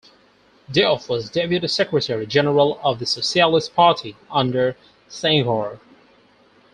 Diouf was Deputy Secretary-General of the Socialist Party under Senghor.